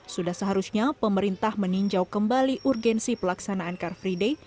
sudah seharusnya pemerintah meninjau kembali urgensi pelaksanaan car free day